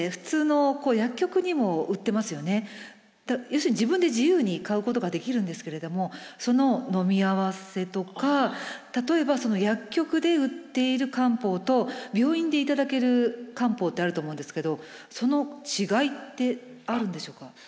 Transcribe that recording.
要するに自分で自由に買うことができるんですけれどもそののみ合わせとか例えば薬局で売っている漢方と病院で頂ける漢方ってあると思うんですけどその違いってあるんでしょうか？